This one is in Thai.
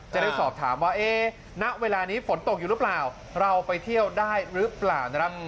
จะได้สอบถามว่าณเวลานี้ฝนตกอยู่หรือเปล่าเราไปเที่ยวได้หรือเปล่านะครับ